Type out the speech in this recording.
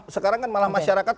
sekarang kan malah masyarakat